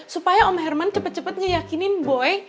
supaya om herman cepet cepet ngeyakinin boy